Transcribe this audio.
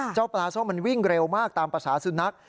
เจ้าปลาส้มมันวิ่งเร็วมากตามภาษาสุนัข